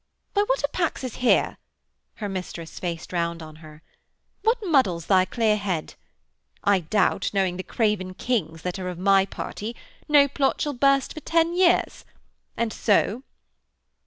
'Why, what a pax is here?' her mistress faced round on her. 'What muddles thy clear head? I doubt, knowing the craven kings that are of my party, no plot shall burst for ten years. And so?'